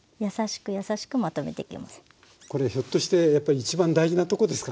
これひょっとしてやっぱり一番大事なとこですかね？